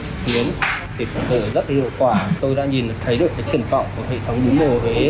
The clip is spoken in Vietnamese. thì thực sự rất hiệu quả tôi đã nhìn thấy được truyền vọng của hệ thống bún bò huế